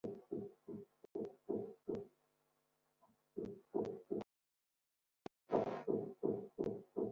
Anda ay ten-id-teḍḍfem s tefxet?